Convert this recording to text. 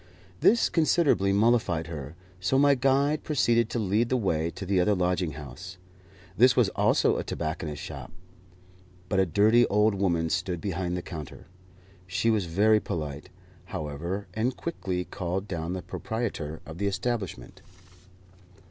This considerably mollified her, so my guide proceeded to lead the way to the other lodging house. This was also a tobacconist's shop, but a dirty old woman stood behind the counter. She was very polite, however, and quickly called down the proprietor of the establishment.